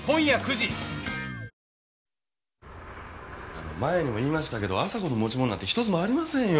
あの前にも言いましたけど亜沙子の持ち物なんてひとつもありませんよ。